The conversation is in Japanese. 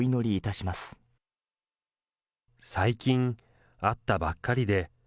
最近、会ったばっかりで。